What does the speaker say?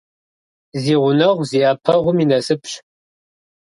Зи гъунэгъу зи Iэпэгъум и насыпщ.